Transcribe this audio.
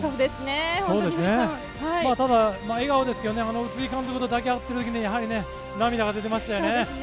ただ、笑顔ですけども宇津木監督と抱き合っている時に涙が出てましたよね。